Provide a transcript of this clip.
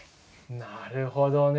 なるほどね。